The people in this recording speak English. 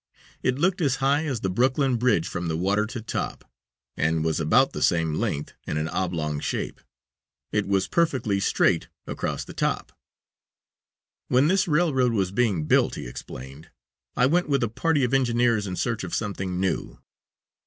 It looked as high as the Brooklyn bridge from the water to top, and was about the same length, in an oblong shape. It was perfectly straight across the top. "When this railroad was being built," he explained, "I went with a party of engineers in search of something new.